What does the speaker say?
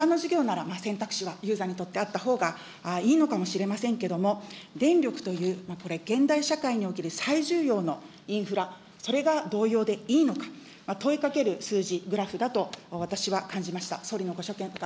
ほかの事業なら選択肢はユーザーにとってあったほうがいいのかもしれませんけども、電力という、これ現代社会における最重要のインフラ、それが同様でいいのか、問いかける数字、グラフだと、私は感じました。